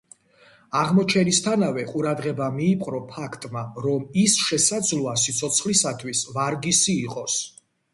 აღმოჩენისთანავე, ყურადღება მიიპყრო ფაქტმა, რომ ის შესაძლოა სიცოცხლისათვის ვარგისი იყოს.